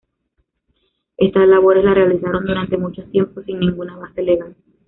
Estas labores las realizaron durante mucho tiempo sin ninguna base legal.